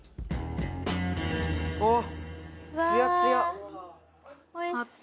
あっ！